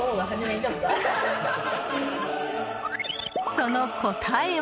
その答えは。